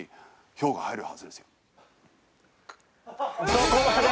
そこまで！